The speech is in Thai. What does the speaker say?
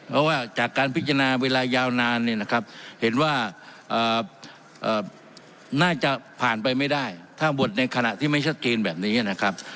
เพราะว่าจากการพิจารณาเวลายาวนานเนี่ยนะครับเห็นว่าน่าจะผ่านไปไม่ได้ถ้าบทในขณะที่ไม่ชัดเจนแบบนี้นะครับ